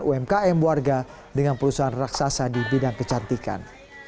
umkm warga dengan perusahaan raksasa di bidang kecantikan